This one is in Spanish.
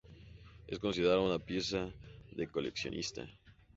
Es considerado una pieza de coleccionista.